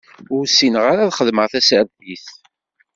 Ur ssinen ara ad xedmen tasertit.